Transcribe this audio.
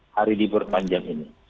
hari libur panjang ini